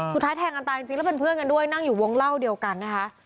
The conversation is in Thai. แทงกันตายจริงแล้วเป็นเพื่อนกันด้วยนั่งอยู่วงเล่าเดียวกันนะคะ